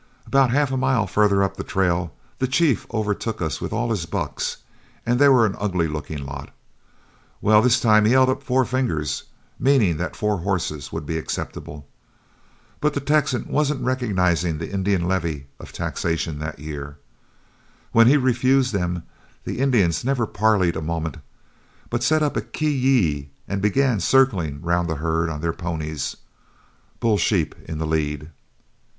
About half a mile farther up the trail, the chief overtook us with all his bucks, and they were an ugly looking lot. Well, this time he held up four fingers, meaning that four horses would be acceptable. But the Texan wasn't recognizing the Indian levy of taxation that year. When he refused them, the Indians never parleyed a moment, but set up a 'ki yi' and began circling round the herd on their ponies, Bull Sheep in the lead.